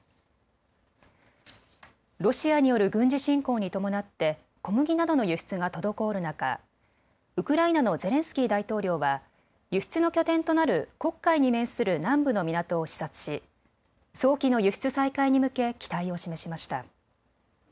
ロシアによる軍事侵攻に伴って小麦などの輸出が滞る中、ウクライナのゼレンスキー大統領は輸出の拠点となる黒海に面する南部の港を視察し早期の輸出再開に向け期待を示しました。